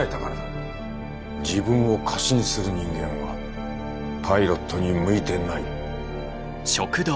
自分を過信する人間はパイロットに向いてない。